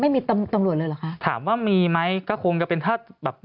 ไม่มีตำรวจเลยเหรอคะถามว่ามีไหมก็คงจะเป็นถ้าแบบ